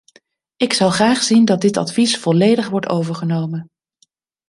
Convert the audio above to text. Ik zou graag zien dat dit advies volledig wordt overgenomen.